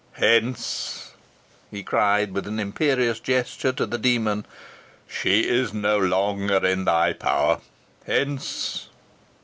"Hence!" he cried with an imperious gesture to the demon. "She is no longer in thy power. Hence!"